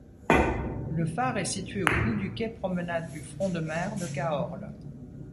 Le phare est situé au bout du quai-promenade du front de mer de Caorle.